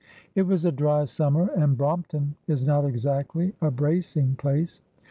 It was a dry summer, and Brompton is not exactly a bracing place.